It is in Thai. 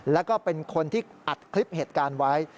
แล้วก็เป็นคนที่อัดคลิปเหตุการณ์ไว้